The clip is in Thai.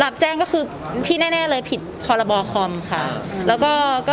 หลับแจ้งตัวคือที่แน่เลยผิดคอมคม